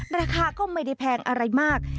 ราคาก็ไม่ได้แพงอะไรมาก